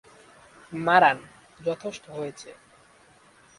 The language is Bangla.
মারান, যথেষ্ট হয়েছে।